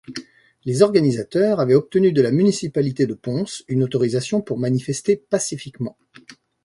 Les organisateurs avaient obtenu de la municipalité de Ponce une autorisation pour manifester pacifiquement.